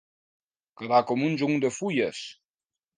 Quedar com un jonc de fulles.